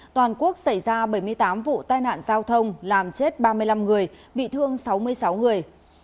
toàn quốc xảy ra bảy mươi tám vụ tai nạn giao thông làm chết ba mươi năm người bị thương sáu mươi sáu người